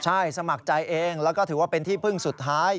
ใช่สมัครใจเองแล้วก็ถือว่าเป็นที่พึ่งสุดท้าย